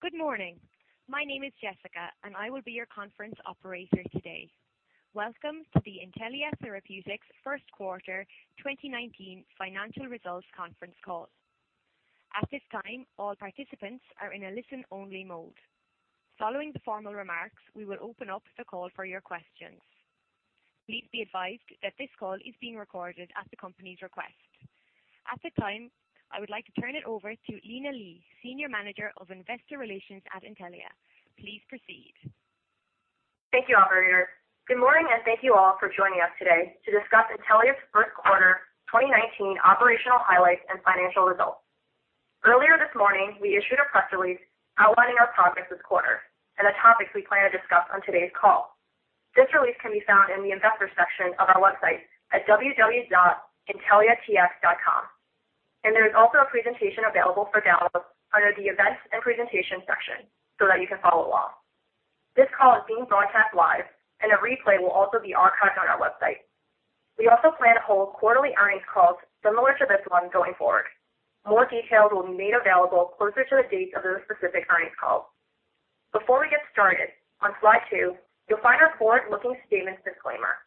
Good morning. My name is Jessica, and I will be your conference operator today. Welcome to the Intellia Therapeutics First Quarter 2019 Financial Results Conference Call. At this time, all participants are in a listen-only mode. Following the formal remarks, we will open up the call for your questions. Please be advised that this call is being recorded at the company's request. At this time, I would like to turn it over to Lina Li, Senior Manager of Investor Relations at Intellia. Please proceed. Thank you, operator. Good morning, and thank you all for joining us today to discuss Intellia's first quarter 2019 operational highlights and financial results. Earlier this morning, we issued a press release outlining our progress this quarter and the topics we plan to discuss on today's call. This release can be found in the investor section of our website at www.intelliatx.com, and there is also a presentation available for download under the Events and Presentation section so that you can follow along. This call is being broadcast live, and a replay will also be archived on our website. We also plan to hold quarterly earnings calls similar to this one going forward. More details will be made available closer to the date of the specific earnings call. Before we get started, on slide two, you'll find our forward-looking statements disclaimer.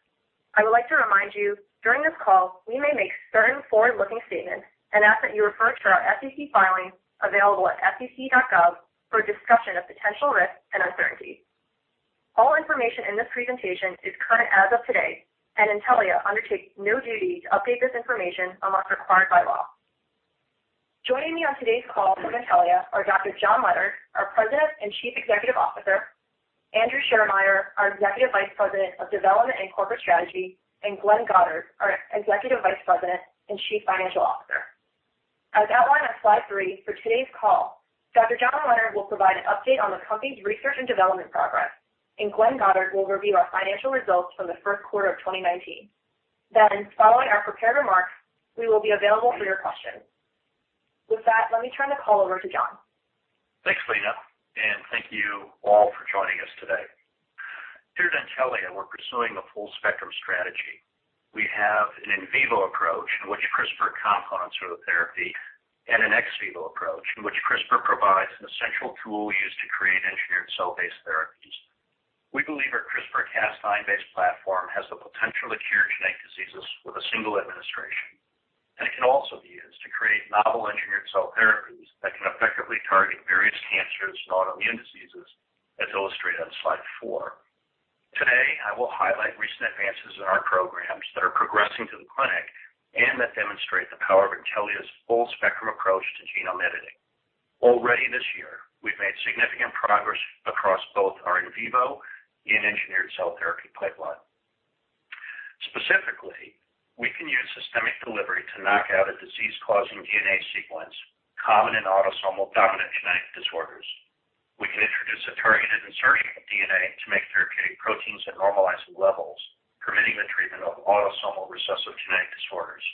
I would like to remind you during this call, we may make certain forward-looking statements and ask that you refer to our SEC filings available at sec.gov for a discussion of potential risks and uncertainties. All information in this presentation is current as of today, and Intellia undertakes no duty to update this information unless required by law. Joining me on today's call from Intellia are Dr. John Leonard, our President and Chief Executive Officer, Andrew Schiermeier, our Executive Vice President of Development and Corporate Strategy, and Glenn Goddard, our Executive Vice President and Chief Financial Officer. As outlined on slide three, for today's call, Dr. John Leonard will provide an update on the company's research and development progress, and Glenn Goddard will review our financial results from the first quarter of 2019. Following our prepared remarks, we will be available for your questions. With that, let me turn the call over to John. Thanks, Lina, and thank you all for joining us today. Here at Intellia, we're pursuing a full spectrum strategy. We have an in vivo approach in which CRISPR complements the therapy and an ex vivo approach in which CRISPR provides an essential tool used to create engineered cell-based therapies. We believe our CRISPR-Cas9-based platform has the potential to cure genetic diseases with a single administration, and it can also be used to create novel engineered cell therapies that can effectively target various cancers and autoimmune diseases, as illustrated on slide four. Today, I will highlight recent advances in our programs that are progressing to the clinic and that demonstrate the power of Intellia's full-spectrum approach to genome editing. Already this year, we've made significant progress across both our in vivo and engineered cell therapy pipeline. Specifically, we can use systemic delivery to knock out a disease-causing DNA sequence common in autosomal dominant genetic disorders. We can introduce a targeted insertion of DNA to make therapeutic proteins at normalized levels, permitting the treatment of autosomal recessive genetic disorders,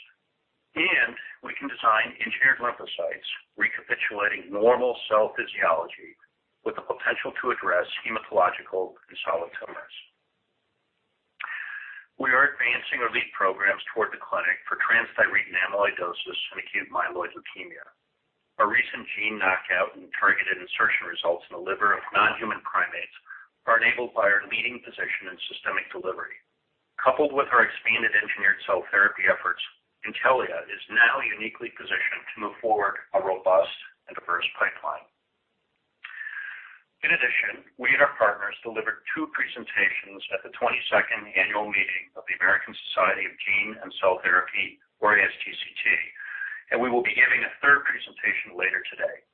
and we can design engineered lymphocytes recapitulating normal cell physiology with the potential to address hematological and solid tumors. We are advancing our lead programs toward the clinic for transthyretin amyloidosis and acute myeloid leukemia. Our recent gene knockout and targeted insertion results in the liver of non-human primates are enabled by our leading position in systemic delivery. Coupled with our expanded engineered cell therapy efforts, Intellia is now uniquely positioned to move forward a robust and diverse pipeline. In addition, we and our partners delivered two presentations at the 22nd Annual Meeting of the American Society of Gene & Cell Therapy, or ASGCT, and we will be giving a third presentation later today.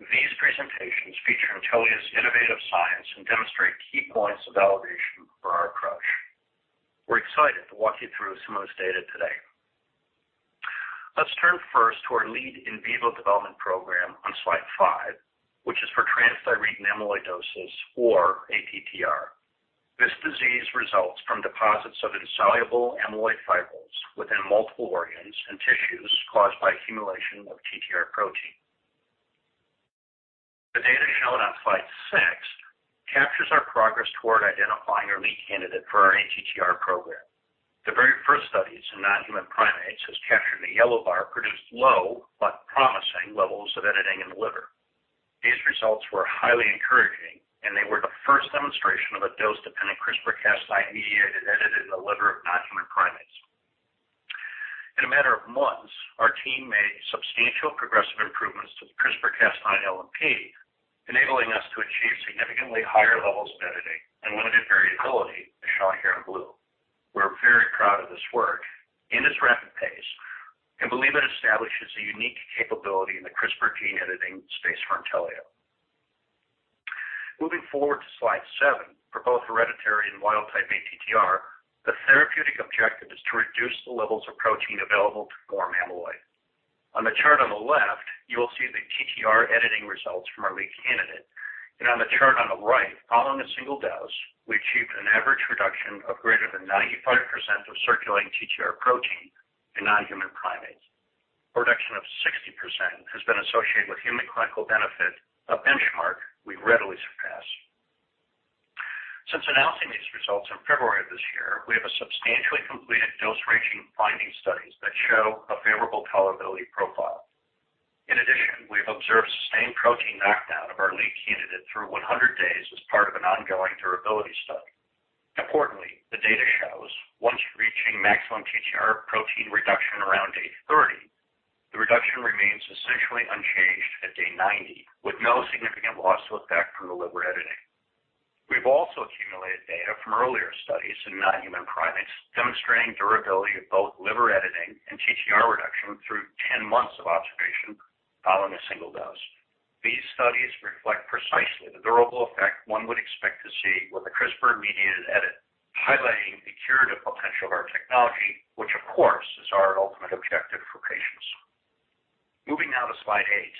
These presentations feature Intellia's innovative science and demonstrate key points of validation for our approach. We're excited to walk you through some of this data today. Let's turn first to our lead in vivo development program on slide five, which is for transthyretin amyloidosis, or ATTR. This disease results from deposits of insoluble amyloid fibrils within multiple organs and tissues caused by accumulation of TTR protein. The data shown on slide six captures our progress toward identifying our lead candidate for our ATTR program. The very first studies in non-human primates, as captured in the yellow bar, produced low but promising levels of editing in the liver. These results were highly encouraging, and they were the first demonstration of a dose-dependent CRISPR-Cas9 mediated edit in the liver of non-human primates. In a matter of months, our team made substantial progressive improvements to the CRISPR-Cas9 LNP, enabling us to achieve significantly higher levels of editing and limited variability, as shown here in blue. We're very proud of this work and its rapid pace and believe it establishes a unique capability in the CRISPR gene editing space for Intellia. Moving forward to slide seven, for both hereditary and wild-type ATTR, the therapeutic objective is to reduce the levels of protein available to form amyloid. On the chart on the left, you will see the TTR editing results from our lead candidate. On the chart on the right, following a single dose, we achieved an average reduction of greater than 95% of circulating TTR protein in non-human primates. Reduction of 60% has been associated with human clinical benefit, a benchmark we readily expect. Since announcing these results in February of this year, we have substantially completed dose-ranging finding studies that show a favorable tolerability profile. In addition, we've observed sustained protein knockdown of our lead candidate through 100 days as part of an ongoing durability study. Importantly, the data shows once reaching maximum TTR protein reduction around day 30, the reduction remains essentially unchanged at day 90, with no significant loss of effect from the liver editing. We've also accumulated data from earlier studies in non-human primates demonstrating durability of both liver editing and TTR reduction through 10 months of observation following a single dose. These studies reflect precisely the durable effect one would expect to see with a CRISPR-mediated edit, highlighting the curative potential of our technology, which of course, is our ultimate objective for patients. Moving now to slide eight.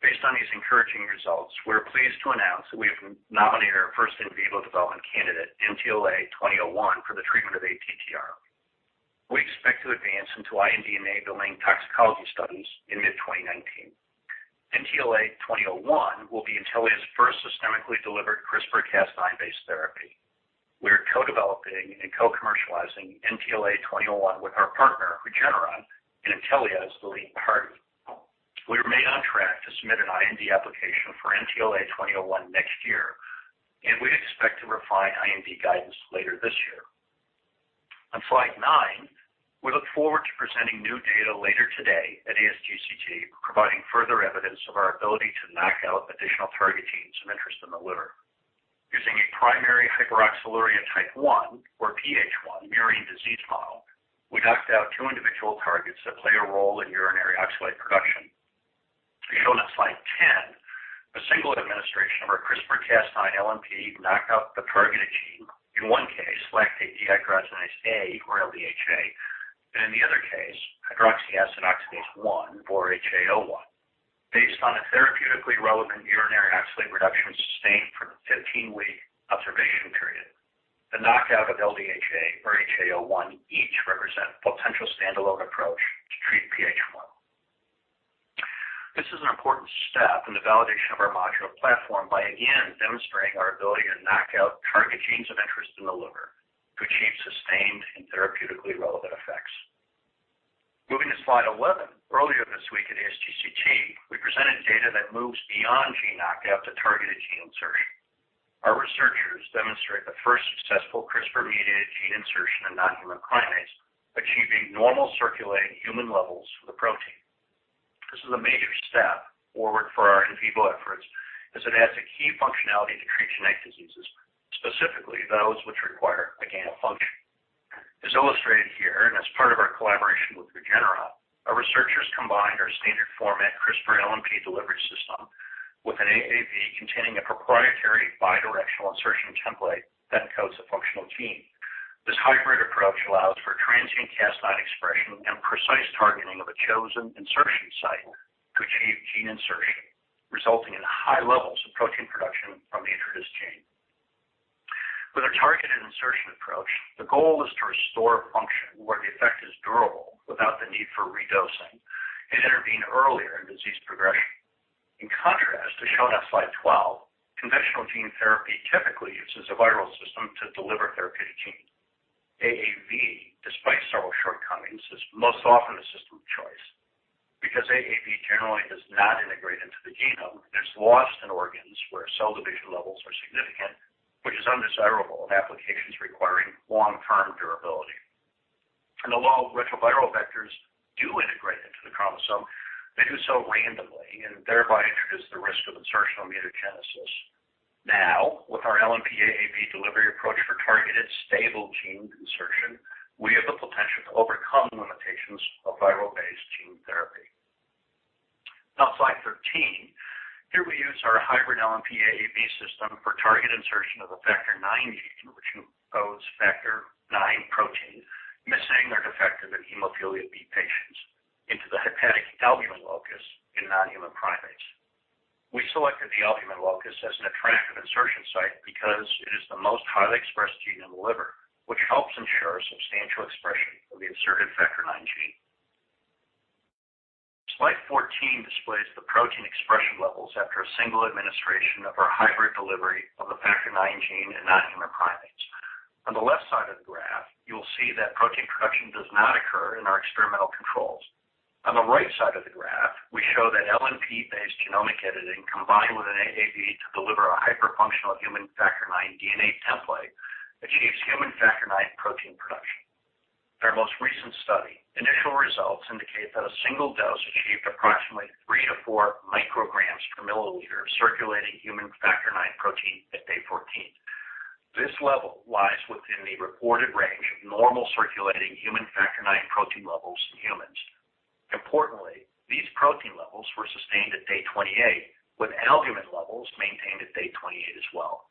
Based on these encouraging results, we're pleased to announce that we have nominated our first in vivo development candidate, NTLA-2001, for the treatment of ATTR. We expect to advance into IND-enabling toxicology studies in mid-2019. NTLA-2001 will be Intellia's first systemically delivered CRISPR-Cas9-based therapy. We're co-developing and co-commercializing NTLA-2001 with our partner, Regeneron, and Intellia as the lead party. We remain on track to submit an IND application for NTLA-2001 next year, and we expect to refine IND guidance later this year. On slide nine, we look forward to presenting new data later today at ASGCT, providing further evidence of our ability to knock out additional target genes of interest in the liver. Using a primary hyperoxaluria type 1, or PH1, mirroring disease model, we knocked out two individual targets that play a role in urinary oxalate production. As shown on slide 10, a single administration of our CRISPR-Cas9 LNP knocked out the targeted gene. In one case, lactate dehydrogenase A, or LDHA, and in the other case, hydroxyacid oxidase one, or HAO1. Based on a therapeutically relevant urinary oxalate reduction sustained for the 15-week observation period, the knockout of LDHA or HAO1 each represent potential standalone approach to treat PH1. This is an important step in the validation of our modular platform by again demonstrating our ability to knock out target genes of interest in the liver to achieve sustained and therapeutically relevant effects. Moving to slide 11. Earlier this week at ASGCT, we presented data that moves beyond gene knockout to targeted gene insertion. Our researchers demonstrate the first successful CRISPR-mediated gene insertion in non-human primates, achieving normal circulating human levels for the protein. This is a major step forward for our in vivo efforts as it adds a key functionality to treat genetic diseases, specifically those which require a gain of function. As illustrated here, and as part of our collaboration with Regeneron, our researchers combined our standard format CRISPR LNP delivery system with an AAV containing a proprietary bi-directional insertion template that encodes a functional gene. This hybrid approach allows for transient Cas9 expression and precise targeting of a chosen insertion site to achieve gene insertion, resulting in high levels of protein production from the introduced gene. With a targeted insertion approach, the goal is to restore function where the effect is durable without the need for redosing and intervene earlier in disease progression. In contrast to shown on slide 12, conventional gene therapy typically uses a viral system to deliver therapeutic gene. AAV, despite several shortcomings, is most often the system of choice. Because AAV generally does not integrate into the genome, it is lost in organs where cell division levels are significant, which is undesirable in applications requiring long-term durability. Although retroviral vectors do integrate into the chromosome, they do so randomly and thereby introduce the risk of insertional mutagenesis. With our LNP-AAV delivery approach for targeted stable gene insertion, we have the potential to overcome limitations of viral-based gene therapy. On slide 13, here we use our hybrid LNP-AAV system for target insertion of a Factor IX gene, which encodes Factor IX protein missing or defective in hemophilia B patients into the hepatic albumin locus in non-human primates. We selected the albumin locus as an attractive insertion site because it is the most highly expressed gene in the liver, which helps ensure substantial expression of the inserted Factor IX gene. Slide 14 displays the protein expression levels after a single administration of our hybrid delivery of the Factor IX gene in non-human primates. On the left side of the graph, you will see that protein production does not occur in our experimental controls. On the right side of the graph, we show that LNP-based genomic editing combined with an AAV to deliver a hyperfunctional human Factor IX DNA template achieves human Factor IX protein production. In our most recent study, initial results indicate that a single dose achieved approximately three to four micrograms per milliliter of circulating human Factor IX protein at day 14. This level lies within the reported range of normal circulating human Factor IX protein levels in humans. Importantly, these protein levels were sustained at day 28, with albumin levels maintained at day 28 as well.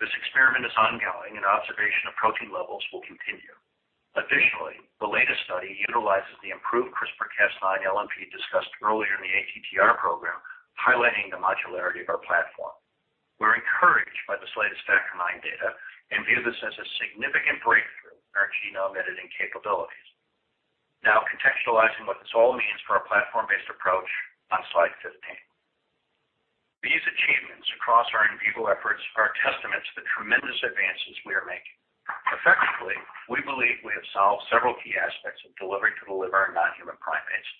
This experiment is ongoing, and observation of protein levels will continue. Additionally, the latest study utilizes the improved CRISPR-Cas9 LNP discussed earlier in the ATTR program, highlighting the modularity of our platform. We're encouraged by this latest Factor IX data and view this as a significant breakthrough in our genome editing capabilities. This all leads for our platform-based approach on slide 15. These achievements across our in vivo efforts are a testament to the tremendous advances we are making. Effectively, we believe we have solved several key aspects of delivering to the liver in non-human primates,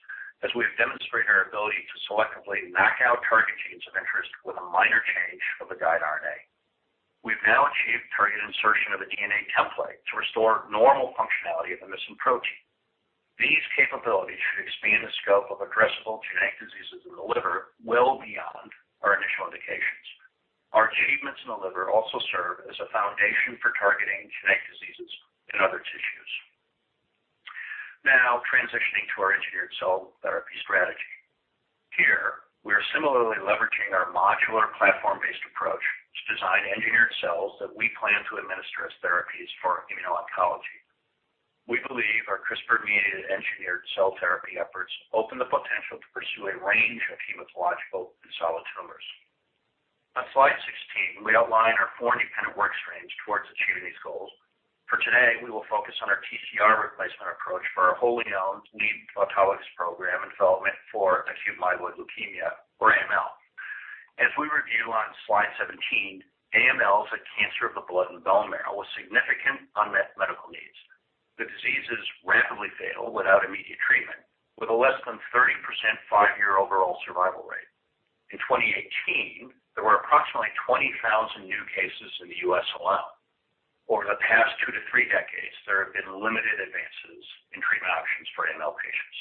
as we have demonstrated our ability to selectively knock out target genes of interest with a minor change of a guide RNA. We've now achieved target insertion of a DNA template to restore normal functionality of the missing protein. These capabilities should expand the scope of addressable genetic diseases in the liver well beyond our initial indications. Our achievements in the liver also serve as a foundation for targeting genetic diseases in other tissues. Transitioning to our engineered cell therapy strategy. Here, we are similarly leveraging our modular platform-based approach to design engineered cells that we plan to administer as therapies for immuno-oncology. We believe our CRISPR-mediated engineered cell therapy efforts open the potential to pursue a range of hematological and solid tumors. On slide 16, we outline our four independent work streams towards achieving these goals. For today, we will focus on our TCR replacement approach for our wholly-owned lead autologous program in development for acute myeloid leukemia, or AML. As we review on slide 17, AML is a cancer of the blood and bone marrow with significant unmet medical needs. The disease is rapidly fatal without immediate treatment, with a less than 30% five-year overall survival rate. In 2018, there were approximately 20,000 new cases in the U.S. alone. Over the past two to three decades, there have been limited advances in treatment options for AML patients.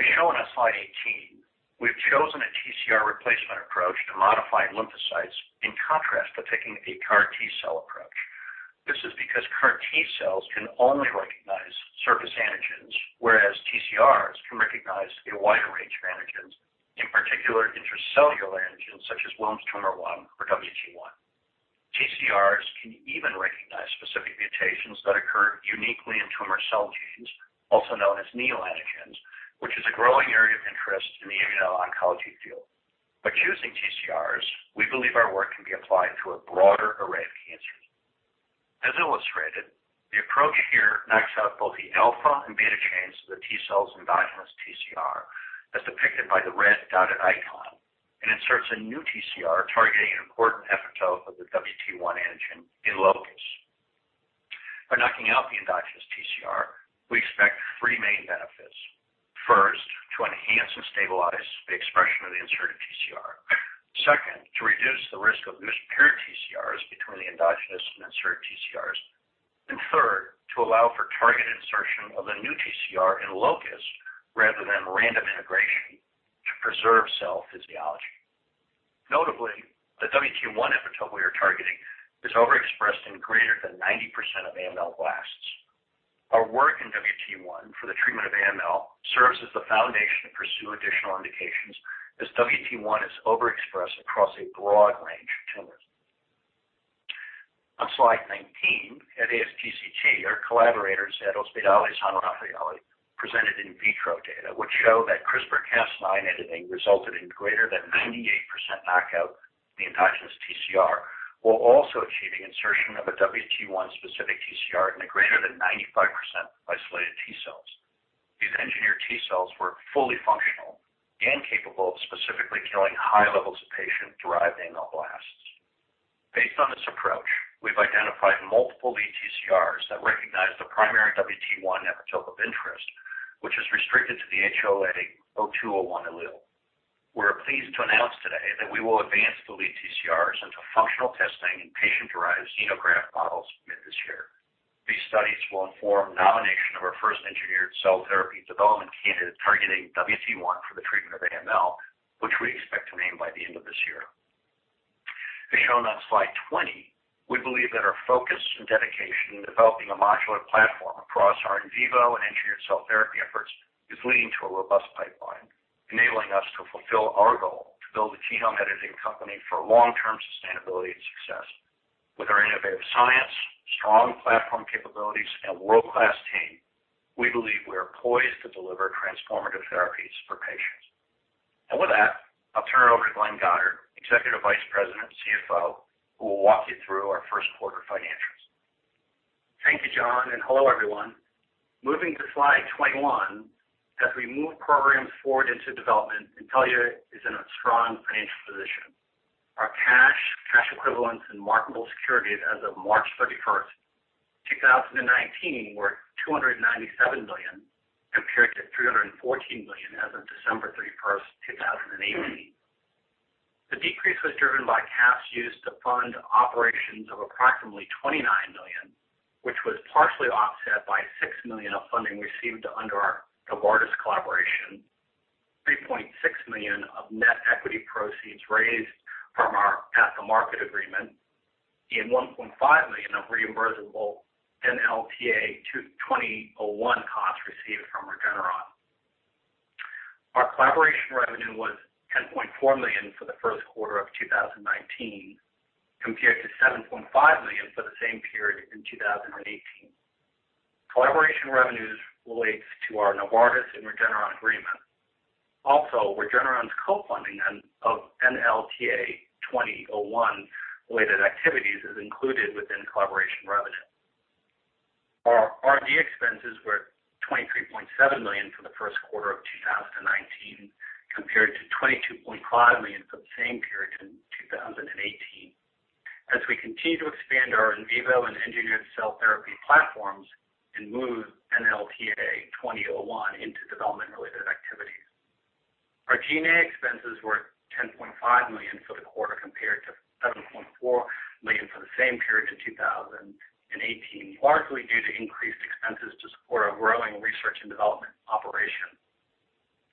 As shown on slide 18, we've chosen a TCR replacement approach to modify lymphocytes, in contrast to taking a CAR T-cell approach. This is because CAR T-cells can only recognize surface antigens, whereas TCRs can recognize a wider range of antigens, in particular intracellular antigens such as Wilms' tumor 1, or WT1. TCRs can even recognize specific mutations that occur uniquely in tumor cell genes, also known as neoantigens, which is a growing area of interest in the immuno-oncology field. By choosing TCRs, we believe our work can be applied to a broader array of cancers. As illustrated, the approach here knocks out both the alpha and beta chains of the T cells' endogenous TCR, as depicted by the red dotted icon, and inserts a new TCR targeting an important epitope of the WT1 antigen in locus. By knocking out the endogenous TCR, we expect three main benefits. First, to enhance and stabilize the expression of the inserted TCR. Second, to reduce the risk of loose paired TCRs between the endogenous and inserted TCRs. Third, to allow for targeted insertion of the new TCR in locus rather than random integration to preserve cell physiology. Notably, the WT1 epitope we are targeting is overexpressed in greater than 90% of AML blasts. Our work in WT1 for the treatment of AML serves as the foundation to pursue additional indications, as WT1 is overexpressed across a broad range of tumors. On slide 19, at ASGCT, our collaborators at Ospedale San Raffaele presented in vitro data which show that CRISPR-Cas9 editing resulted in greater than 98% knockout of the endogenous TCR, while also achieving insertion of a WT1 specific TCR in a greater than 95% isolated T cells. These engineered T cells were fully functional and capable of specifically killing high levels of patient-derived AML blasts. Based on this approach, we've identified multiple lead TCRs that recognize the primary WT1 epitope of interest, which is restricted to the HLA-A*02:01 allele. We're pleased to announce today that we will advance the lead TCRs into functional testing in patient-derived xenograft models mid this year. These studies will inform nomination of our first engineered cell therapy development candidate targeting WT1 for the treatment of AML, which we expect to name by the end of this year. As shown on slide 20, we believe that our focus and dedication in developing a modular platform across our in vivo and engineered cell therapy efforts is leading to a robust pipeline, enabling us to fulfill our goal to build a genome editing company for long-term sustainability and success. With our innovative science, strong platform capabilities, and world-class team, we believe we are poised to deliver transformative therapies for patients. I'll turn it over to Glenn Goddard, Executive Vice President and CFO, who will walk you through our first quarter financials. Thank you, John, and hello, everyone. Moving to slide 21, as we move programs forward into development, Intellia is in a strong financial position. Our cash equivalents, and marketable securities as of March 31st, 2019, were $297 million, compared to $314 million as of December 31st, 2018. The decrease was driven by cash used to fund operations of approximately $29 million, which was partially offset by $6 million of funding received under our Novartis collaboration, $3.6 million of net equity proceeds raised from our at-the-market agreement, and $1.5 million of reimbursable NTLA-2001 costs received from Regeneron. Our collaboration revenue was $10.4 million for the first quarter of 2019, compared to $7.5 million for the same period in 2018. Collaboration revenues relates to our Novartis and Regeneron agreements. Also, Regeneron's co-funding of NTLA-2001 related activities is included within collaboration revenue. Our R&D expenses were $23.7 million for the first quarter of 2019, compared to $22.5 million for the same period in 2018, as we continue to expand our in vivo and engineered cell therapy platforms and move NTLA-2001 into development-related activities. Our GA expenses were $10.5 million for the quarter, compared to $7.4 million for the same period in 2018, largely due to increased expenses to support our growing research and development operation.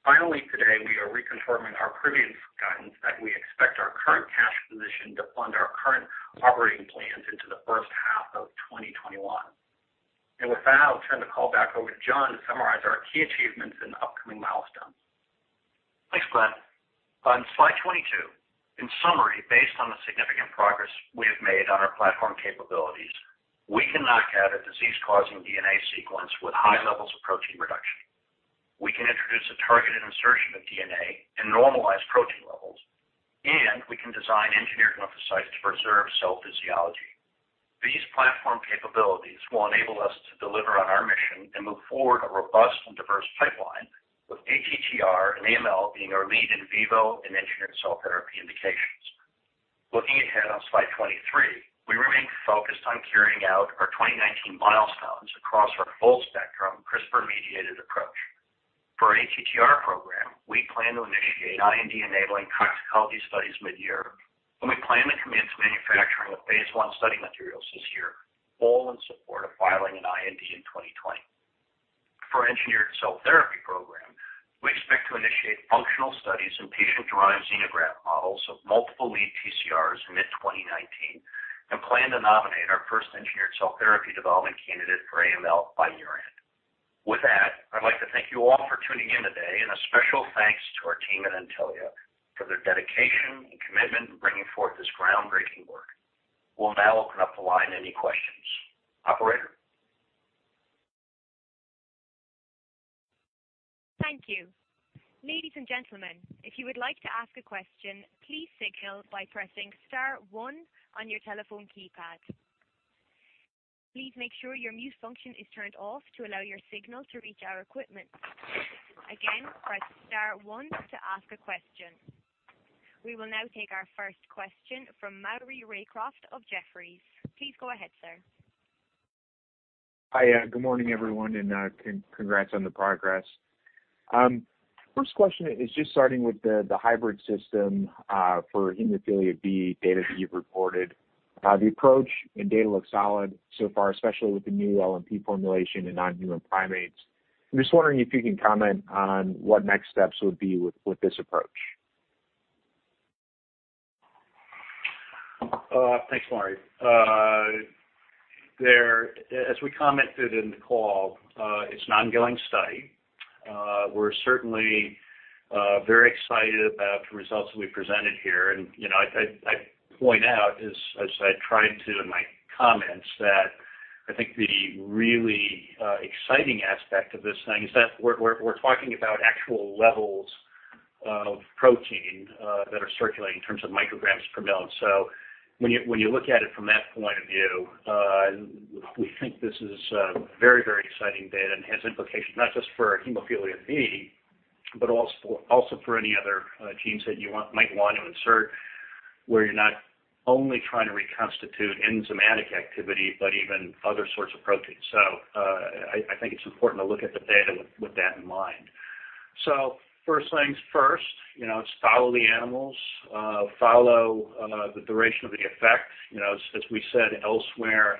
Finally, today, we are reconfirming our previous guidance that we expect our current cash position to fund our current operating plans into the first half of 2021. I'll turn the call back over to John to summarize our key achievements and upcoming milestones. Thanks, Glenn. On slide 22, in summary, based on the significant progress we have made on our platform capabilities, we can knockout a disease-causing DNA sequence with high levels of protein reduction. We can introduce a targeted insertion of DNA and normalize protein levels, and we can design engineered lymphocytes to preserve cell physiology. These platform capabilities will enable us to deliver on our mission and move forward a robust and diverse pipeline, with ATTR and AML being our lead in vivo and engineered cell therapy indications. Looking ahead on slide 23, we remain focused on carrying out our 2019 milestones across our full-spectrum CRISPR-mediated approach. For our ATTR program, we plan to initiate IND-enabling toxicology studies mid-year, and we plan to commence manufacturing of Phase I study materials this year, all in support of filing an IND in 2020. For engineered cell therapy program, we expect to initiate functional studies in patient-derived xenograft models of multiple lead TCRs in mid-2019 and plan to nominate our first engineered cell therapy development candidate for AML by year-end. With that, I'd like to thank you all for tuning in today, and a special thanks to our team at Intellia for their dedication and commitment in bringing forth this groundbreaking work. We'll now open up the line to any questions. Operator? Thank you. Ladies and gentlemen, if you would like to ask a question, please signal by pressing star one on your telephone keypad. Please make sure your mute function is turned off to allow your signal to reach our equipment. Again, press star one to ask a question. We will now take our first question from Maury Raycroft of Jefferies. Please go ahead, sir. Hi. Good morning, everyone, congrats on the progress. First question is just starting with the hybrid system for hemophilia B data that you've reported. The approach and data look solid so far, especially with the new LNP formulation in non-human primates. I'm just wondering if you can comment on what next steps would be with this approach. Thanks, Maury. As we commented in the call, it's an ongoing study. We're certainly very excited about the results that we presented here. I point out, as I tried to in my comments, that I think the really exciting aspect of this thing is that we're talking about actual levels of protein that are circulating in terms of micrograms per mil. When you look at it from that point of view, we think this is a very exciting data and has implications not just for hemophilia B, but also for any other genes that you might want to insert, where you're not only trying to reconstitute enzymatic activity, but even other sorts of proteins. I think it's important to look at the data with that in mind. First things first, it's follow the animals, follow the duration of the effect. As we said elsewhere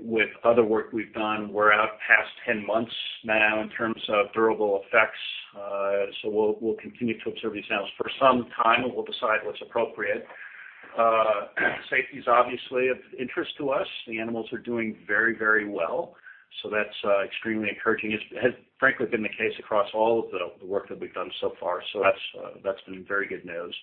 with other work we've done, we're out past 10 months now in terms of durable effects. We'll continue to observe these animals for some time, and we'll decide what's appropriate. Safety's obviously of interest to us. The animals are doing very well, so that's extremely encouraging. It has frankly been the case across all of the work that we've done so far. That's been very good news.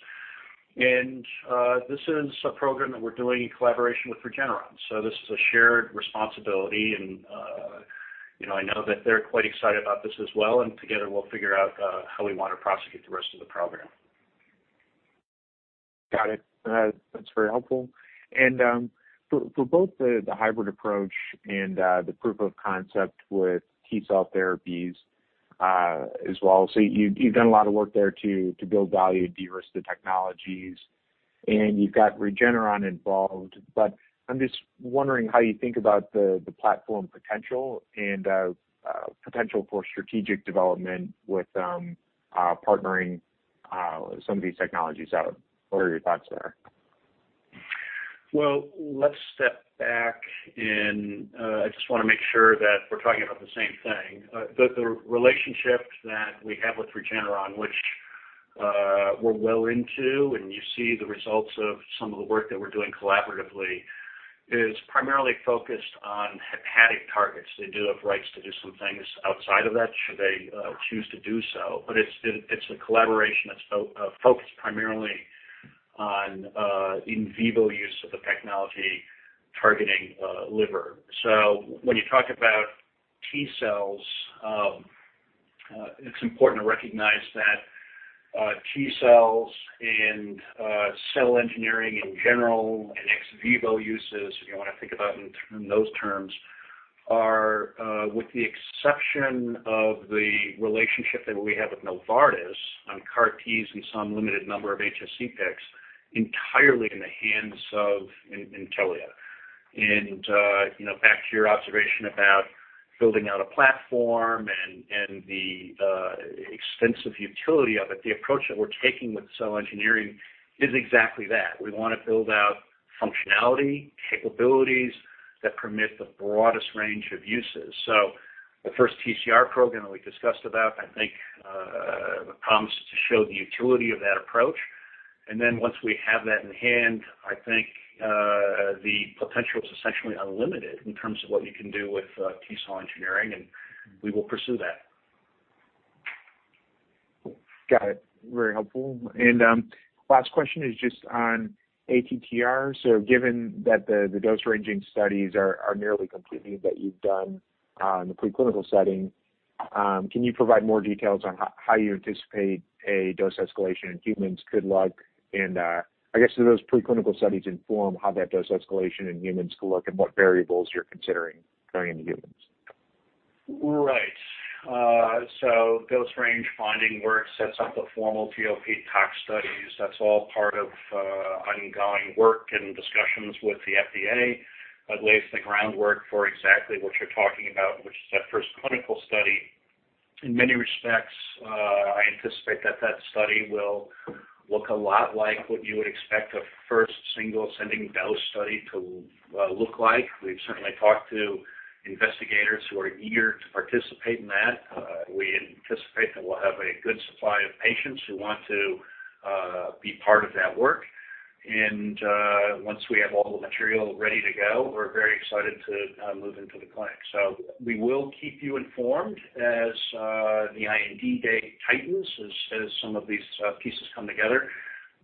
This is a program that we're doing in collaboration with Regeneron. This is a shared responsibility, and I know that they're quite excited about this as well, and together we'll figure out how we want to prosecute the rest of the program. Got it. That's very helpful. For both the hybrid approach and the proof of concept with T-cell therapies as well, so you've done a lot of work there to build value, de-risk the technologies, and you've got Regeneron involved. I'm just wondering how you think about the platform potential and potential for strategic development with partnering some of these technologies out. What are your thoughts there? Well, let's step back, and I just want to make sure that we're talking about the same thing. The relationship that we have with Regeneron, which we're well into, and you see the results of some of the work that we're doing collaboratively, is primarily focused on hepatic targets. They do have rights to do some things outside of that should they choose to do so. But it's a collaboration that's focused primarily on, in vivo use of the technology targeting liver. When you talk about T cells, it's important to recognize that T cells and cell engineering in general and ex vivo uses, if you want to think about it in those terms are, with the exception of the relationship that we have with Novartis on CAR Ts and some limited number of HSC HPCs, entirely in the hands of Intellia. Back to your observation about building out a platform and the extensive utility of it, the approach that we're taking with cell engineering is exactly that. We want to build out functionality, capabilities that permit the broadest range of uses. The first TCR program that we discussed about, I think, promises to show the utility of that approach. Once we have that in hand, I think, the potential is essentially unlimited in terms of what you can do with T-cell engineering, and we will pursue that. Got it. Very helpful. Last question is just on ATTR. Given that the dose ranging studies are nearly complete and that you've done in the preclinical setting, can you provide more details on how you anticipate a dose escalation in humans could look? I guess do those preclinical studies inform how that dose escalation in humans could look and what variables you're considering going into humans? Right. Dose range finding work sets up the formal GLP tox studies. That's all part of ongoing work and discussions with the FDA that lays the groundwork for exactly what you're talking about, which is that first clinical study. In many respects, I anticipate that study will look a lot like what you would expect a first single ascending dose study to look like. We've certainly talked to investigators who are eager to participate in that. We anticipate that we'll have a good supply of patients who want to be part of that work. Once we have all the material ready to go, we're very excited to move into the clinic. We will keep you informed as the IND day tightens, as some of these pieces come together.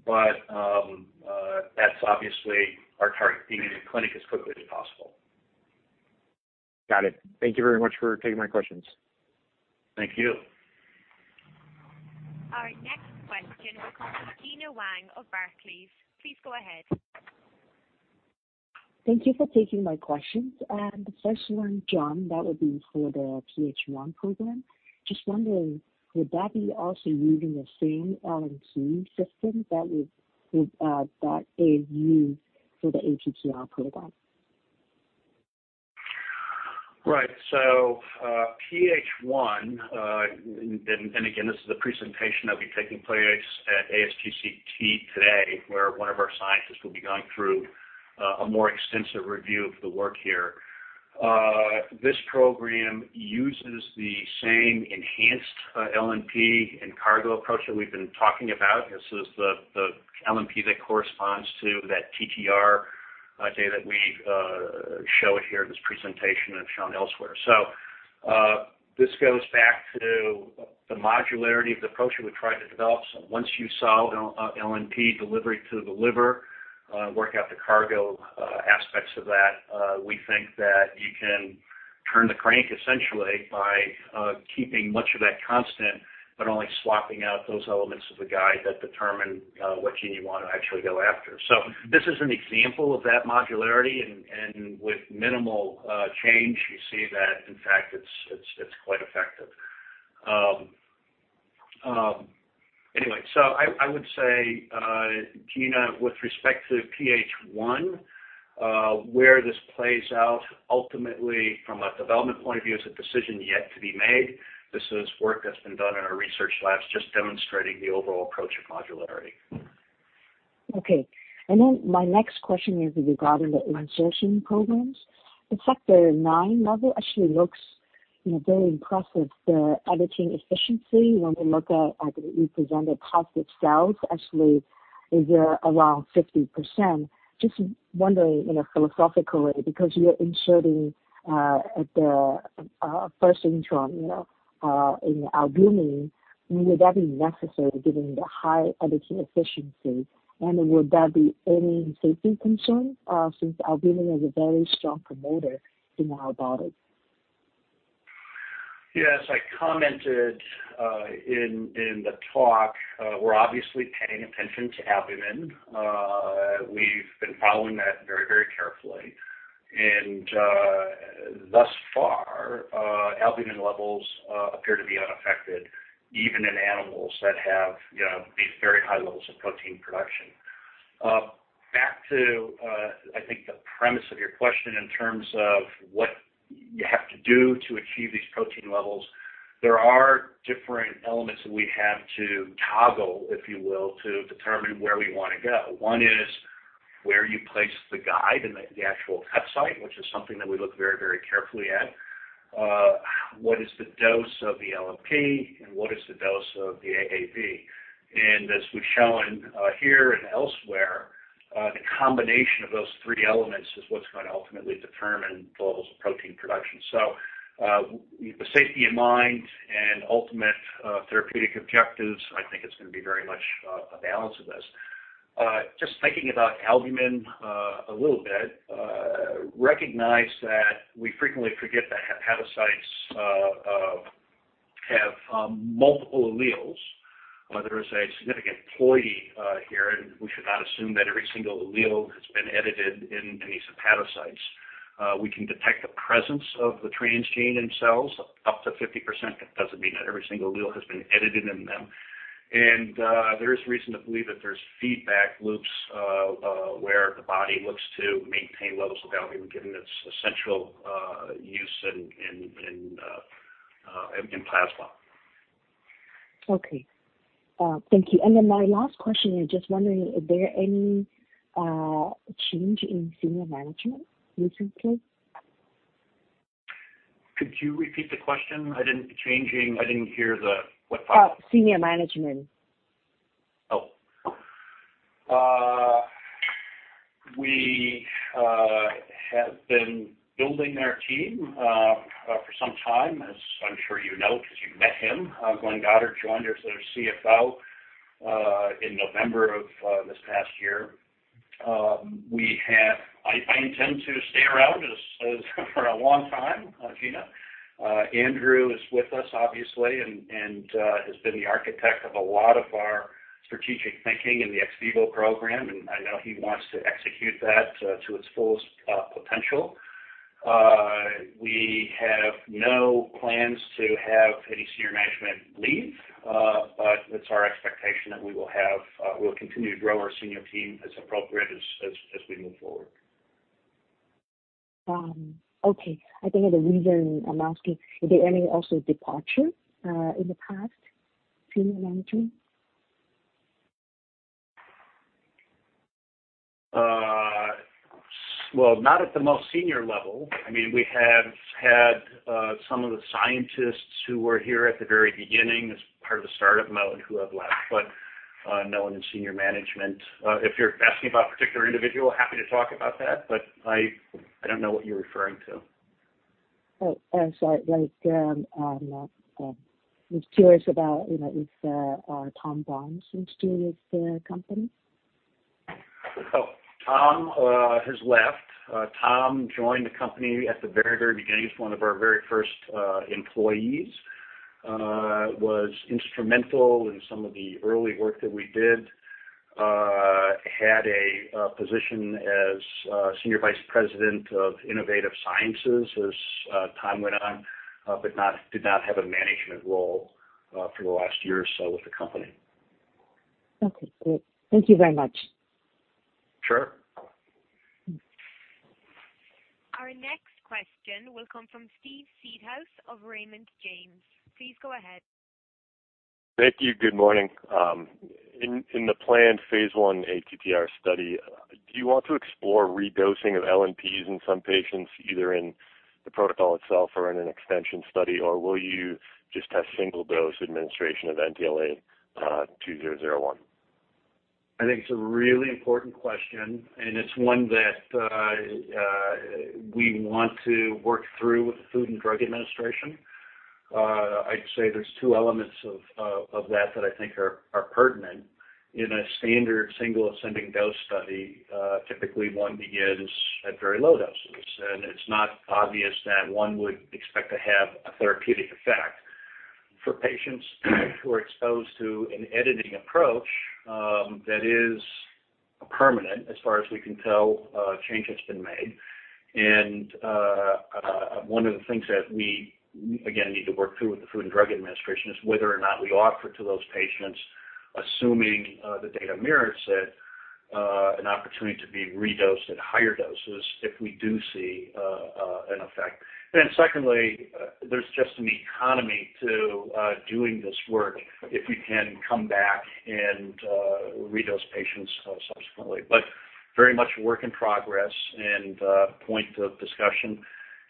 That's obviously our target, being in the clinic as quickly as possible. Got it. Thank you very much for taking my questions. Thank you. Our next question will come from Gena Wang of Barclays. Please go ahead. Thank you for taking my questions. The first one, John, that would be for the PH1 program. Just wondering, would that be also using the same LNP system that is used for the ATTR program? Right. PH1, and again, this is a presentation that'll be taking place at ASGCT today, where one of our scientists will be going through a more extensive review of the work here. This program uses the same enhanced LNP and cargo approach that we've been talking about. This is the LNP that corresponds to that TTR data that we show here in this presentation and have shown elsewhere. This goes back to the modularity of the approach that we've tried to develop. Once you solve LNP delivery to the liver, work out the cargo aspects of that, we think that you can turn the crank essentially by keeping much of that constant, but only swapping out those elements of the guide that determine what gene you want to actually go after. This is an example of that modularity, and with minimal change, you see that in fact it's quite effective. Anyway. I would say, Gena, with respect to PH1, where this plays out ultimately from a development point of view is a decision yet to be made. This is work that's been done in our research labs, just demonstrating the overall approach of modularity. Okay. My next question is regarding the insertion programs. The Factor IX level actually looks very impressive. The editing efficiency, when we look at, represented positive cells actually is around 50%. Just wondering, philosophically, because you're inserting at the first intron, in albumin, would that be necessary given the high editing efficiency? Would that be any safety concern, since albumin is a very strong promoter in our bodies? Yes, I commented in the talk. We're obviously paying attention to albumin. We've been following that very carefully. Thus far, albumin levels appear to be unaffected, even in animals that have these very high levels of protein production. Back to, I think the premise of your question in terms of what you have to do to achieve these protein levels. There are different elements that we have to toggle, if you will, to determine where we wanna go. One is where you place the guide in the actual cut site, which is something that we look very carefully at. What is the dose of the LNP and what is the dose of the AAV? As we've shown here and elsewhere, the combination of those three elements is what's going to ultimately determine levels of protein production. With the safety in mind and ultimate therapeutic objectives, I think it's going to be very much a balance of this. Just thinking about albumin a little bit, recognize that we frequently forget that hepatocytes have multiple alleles. There is a significant ploidy here, and we should not assume that every single allele has been edited in these hepatocytes. We can detect the presence of the transgene in cells up to 50%. That doesn't mean that every single allele has been edited in them, and there is reason to believe that there's feedback loops, where the body looks to maintain levels of albumin, given its essential use in plasma. Okay. Thank you. My last question is just wondering, is there any change in senior management recently? Could you repeat the question? I didn't hear the what part. Senior management. Oh. We have been building our team for some time, as I'm sure you know, because you've met him. Glenn Goddard joined us as CFO in November of this past year. I intend to stay around for a long time, Gena. Andrew is with us, obviously, and has been the architect of a lot of our strategic thinking in the ex vivo program, and I know he wants to execute that to its fullest potential. We have no plans to have any senior management leave, but it's our expectation that we will continue to grow our senior team as appropriate as we move forward. Okay. I think the reason I'm asking, are there any also departure in the past, senior management? Well, not at the most senior level. We have had some of the scientists who were here at the very beginning as part of the startup mode who have left, but no one in senior management. If you're asking about particular individual, happy to talk about that, but I don't know what you're referring to. Oh, sorry. Just curious about if Tom Barnes is still with the company. Oh, Tom has left. Tom joined the company at the very, very beginning as one of our very first employees. Was instrumental in some of the early work that we did. Had a position as Senior Vice President of Innovative Sciences as time went on, but did not have a management role for the last year or so with the company. Okay, great. Thank you very much. Sure. Our next question will come from Steve Seedhouse of Raymond James. Please go ahead. Thank you. Good morning. In the planned phase I ATTR study, do you want to explore redosing of LNPs in some patients, either in the protocol itself or in an extension study, or will you just have single-dose administration of NTLA-2001? I think it's a really important question, it's one that we want to work through with the Food and Drug Administration. I'd say there's two elements of that that I think are pertinent. In a standard single ascending dose study, typically one begins at very low doses, and it's not obvious that one would expect to have a therapeutic effect for patients who are exposed to an editing approach that is permanent, as far as we can tell, change that's been made. One of the things that we again need to work through with the Food and Drug Administration is whether or not we offer to those patients, assuming the data merits it, an opportunity to be redosed at higher doses if we do see an effect. Then secondly, there's just an economy to doing this work if we can come back and redose patients subsequently, very much a work in progress and point of discussion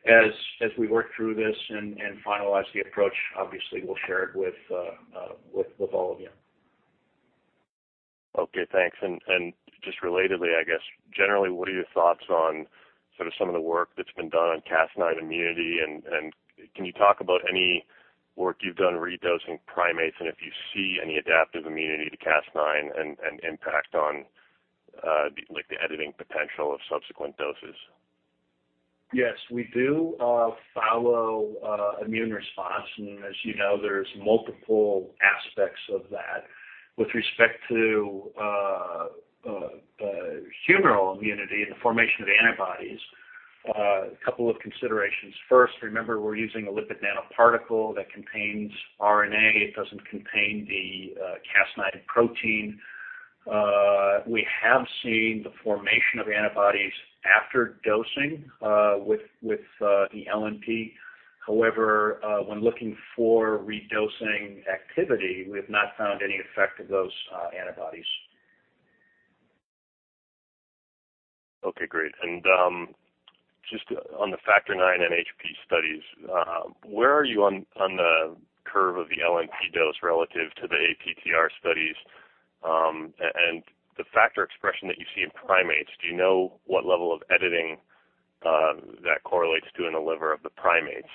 as we work through this and finalize the approach, obviously, we'll share it with all of you. Okay, thanks. Just relatedly, I guess, generally, what are your thoughts on sort of some of the work that's been done on Cas9 immunity? Can you talk about any work you've done redosing primates, and if you see any adaptive immunity to Cas9 and impact on the editing potential of subsequent doses? Yes. We do follow immune response, as you know, there's multiple aspects of that. With respect to humoral immunity, the formation of antibodies, a couple of considerations. First, remember we're using a lipid nanoparticle that contains RNA. It doesn't contain the Cas9 protein. We have seen the formation of antibodies after dosing with the LNP. However, when looking for redosing activity, we have not found any effect of those antibodies. Okay, great. Just on the Factor IX NHP studies, where are you on the curve of the LNP dose relative to the ATTR studies? The factor expression that you see in primates, do you know what level of editing that correlates to in the liver of the primates?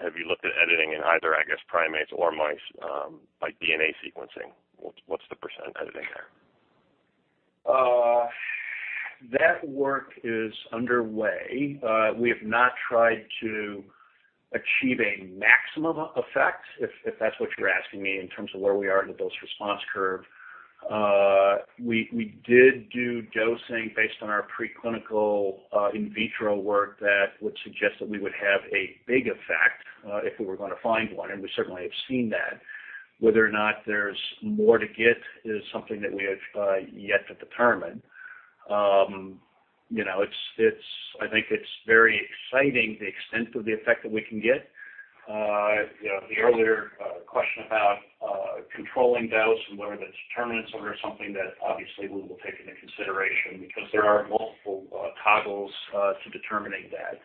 Have you looked at editing in either, I guess, primates or mice, like DNA sequencing? What's the % editing there? That work is underway. We have not tried to achieve a maximum effect, if that's what you're asking me, in terms of where we are in the dose response curve. We did do dosing based on our preclinical in vitro work that would suggest that we would have a big effect, if we were going to find one, and we certainly have seen that. Whether or not there's more to get is something that we have yet to determine. I think it's very exciting the extent of the effect that we can get. The earlier question about controlling dose and whether that's determinants or something that obviously we will take into consideration because there are multiple toggles to determining that.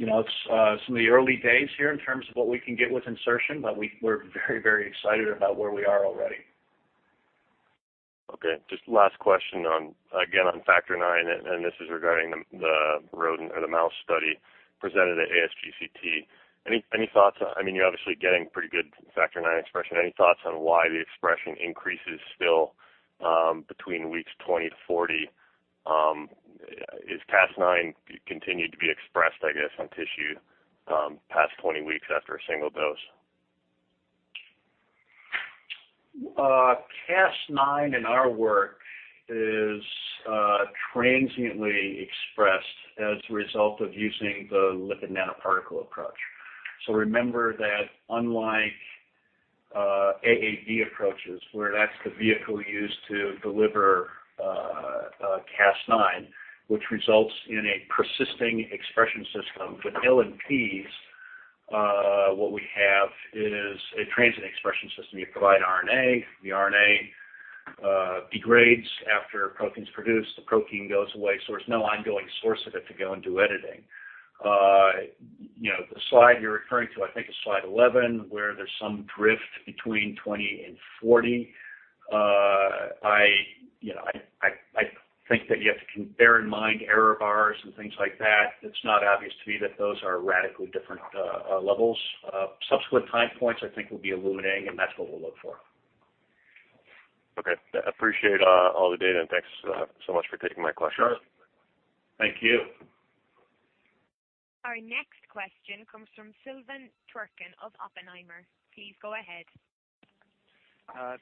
It's some of the early days here in terms of what we can get with insertion, but we're very excited about where we are already. Okay. Just last question, again, on Factor IX, this is regarding the rodent or the mouse study presented at ASGCT. I mean, you're obviously getting pretty good Factor IX expression. Any thoughts on why the expression increases still between weeks 20-40? Is Cas9 continued to be expressed, I guess, on tissue past 20 weeks after a single dose? Cas9 in our work is transiently expressed as a result of using the lipid nanoparticle approach. Remember that unlike AAV approaches, where that's the vehicle used to deliver Cas9, which results in a persisting expression system. With LNPs, what we have is a transient expression system. You provide RNA, the RNA degrades after a protein's produced, the protein goes away, so there's no ongoing source of it to go and do editing. The slide you're referring to, I think is slide 11, where there's some drift between 20-40. I think that you have to bear in mind error bars and things like that. It's not obvious to me that those are radically different levels. Subsequent time points, I think, will be illuminating, and that's what we'll look for. Okay. Appreciate all the data, and thanks so much for taking my questions. Sure. Thank you. Our next question comes from Sylvain Toutain of Oppenheimer. Please go ahead.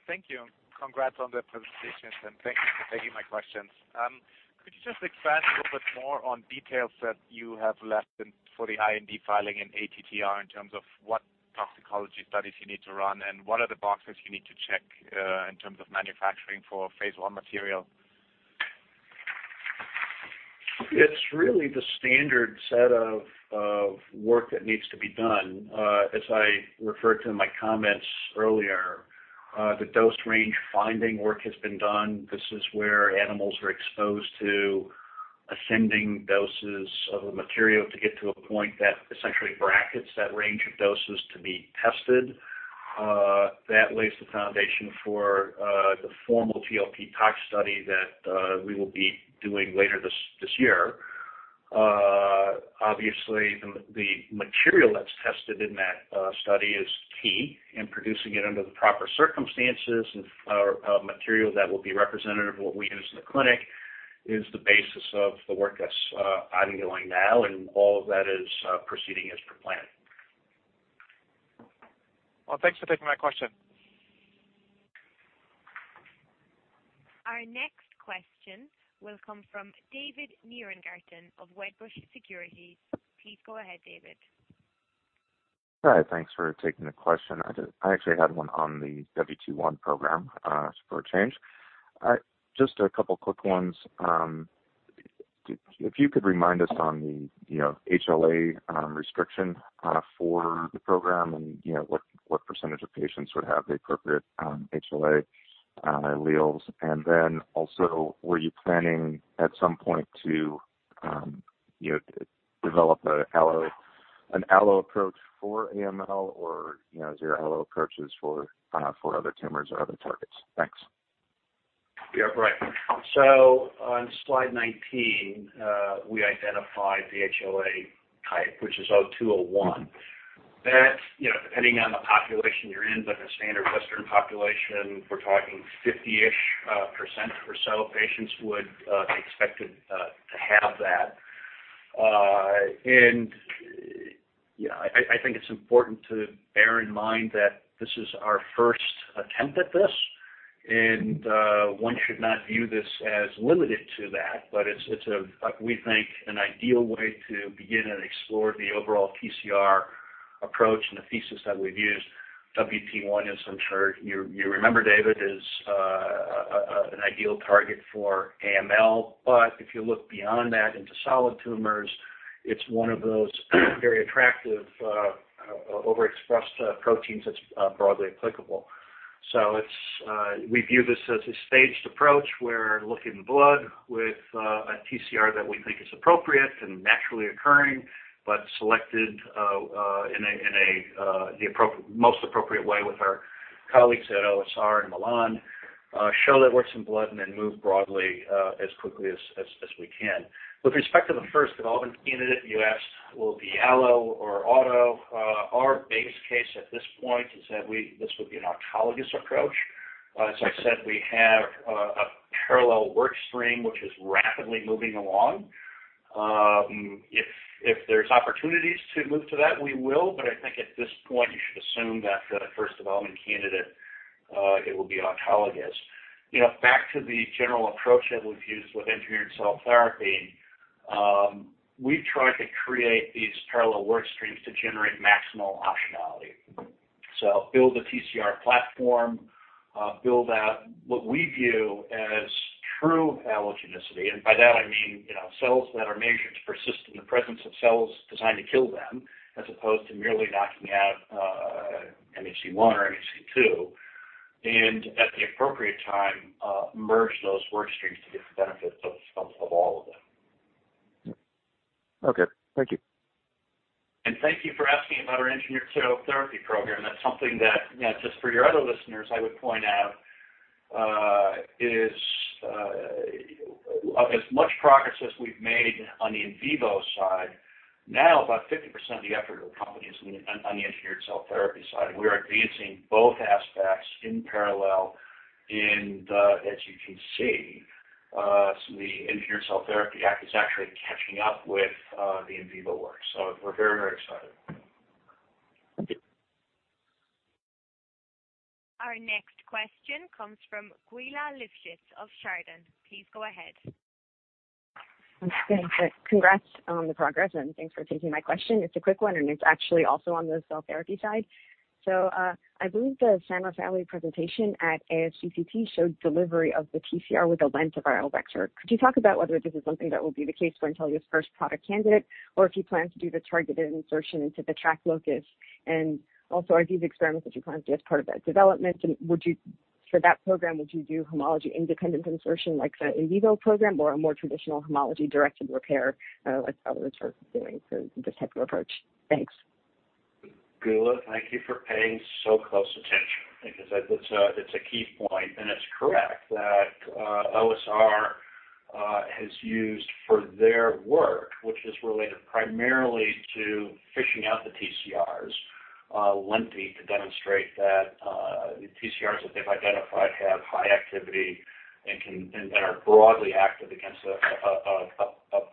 Thank you. Congrats on the presentations and thank you for taking my questions. Could you just expand a little bit more on details that you have left for the IND filing in ATTR in terms of what toxicology studies you need to run and what are the boxes you need to check in terms of manufacturing for phase I material? It's really the standard set of work that needs to be done. As I referred to in my comments earlier, the dose range finding work has been done. This is where animals are exposed to ascending doses of a material to get to a point that essentially brackets that range of doses to be tested. That lays the foundation for the formal GLP tox study that we will be doing later this year. Obviously, the material that's tested in that study is key in producing it under the proper circumstances of material that will be representative of what we use in the clinic is the basis of the work that's ongoing now, and all of that is proceeding as per plan. Well, thanks for taking my question. Our next question will come from David Nierengarten of Wedbush Securities. Please go ahead, David. Hi, thanks for taking the question. I actually had one on the WT1 program for a change. Just a couple of quick ones. If you could remind us on the HLA restriction for the program and what % of patients would have the appropriate HLA alleles. Also, were you planning at some point to develop an allo approach for AML or is there allo approaches for other tumors or other targets? Thanks. Right. On slide 19, we identified the HLA type, which is 0201. That, depending on the population you're in, but in a standard Western population, we're talking 50-ish% or so patients would be expected to have that. I think it's important to bear in mind that this is our first attempt at this, and one should not view this as limited to that, but it's, we think, an ideal way to begin and explore the overall TCR approach and the thesis that we've used. WT1, as I'm sure you remember, David, is an ideal target for AML. If you look beyond that into solid tumors. It's one of those very attractive overexpressed proteins that's broadly applicable. We view this as a staged approach. We're looking blood with a TCR that we think is appropriate and naturally occurring, but selected in the most appropriate way with our colleagues at OSR in Milan. Show that it works in blood, move broadly, as quickly as we can. With respect to the first development candidate you asked will be allo or auto. Our base case at this point is that this would be an autologous approach. As I said, we have a parallel work stream, which is rapidly moving along. If there's opportunities to move to that, we will, I think at this point you should assume that the first development candidate, it will be autologous. Back to the general approach that we've used with engineered cell therapy. We've tried to create these parallel work streams to generate maximal optionality. Build a TCR platform, build out what we view as true allogenicity. I mean, cells that are measured to persist in the presence of cells designed to kill them as opposed to merely knocking out MHC-1 or MHC-2. At the appropriate time, merge those work streams to get the benefits of all of them. Okay. Thank you. Thank you for asking about our engineered cell therapy program. That's something that, just for your other listeners, I would point out, of as much progress as we've made on the in vivo side, now about 50% of the effort of the company is on the engineered cell therapy side. We're advancing both aspects in parallel in the, as you can see, the engineered cell therapy aspect is actually catching up with the in vivo work. We're very excited. Thank you. Our next question comes from Gbola Amusa of Chardan. Please go ahead. Congrats on the progress and thanks for taking my question. It's a quick one, and it's actually also on the cell therapy side. I believe the San Raffaele presentation at ASGCT showed delivery of the TCR with a lentiviral vector. Could you talk about whether this is something that will be the case for Intellia's first product candidate, or if you plan to do the targeted insertion into the TRAC locus? Also, are these experiments that you plan to do as part of that development, and for that program, would you do homology-independent insertion like the in vivo program or a more traditional homology-directed repair, like others are doing for this type of approach? Thanks. Gbola, thank you for paying so close attention, because that's a key point and it's correct that OSR has used for their work, which is related primarily to fishing out the TCRs, lenti to demonstrate that the TCRs that they've identified have high activity and are broadly active against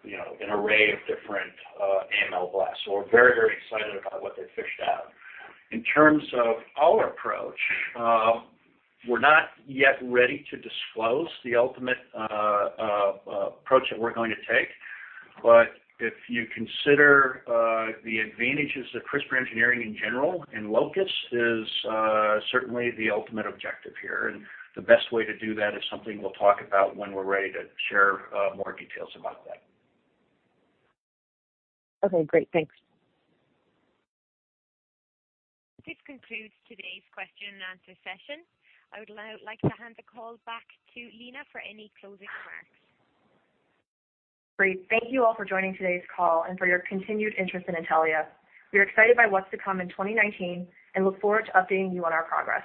an array of different AML blasts. We're very excited about what they've fished out. In terms of our approach, we're not yet ready to disclose the ultimate approach that we're going to take, but if you consider the advantages of CRISPR engineering in general, and locus is certainly the ultimate objective here, and the best way to do that is something we'll talk about when we're ready to share more details about that. Okay, great. Thanks. This concludes today's question and answer session. I would now like to hand the call back to Lina for any closing remarks. Great. Thank you all for joining today's call and for your continued interest in Intellia. We are excited by what's to come in 2019 and look forward to updating you on our progress.